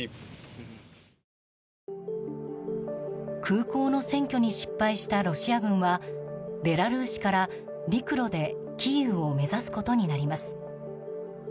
空港の占拠に失敗したロシア軍はベラルーシから陸路でキーウを目指すことになります。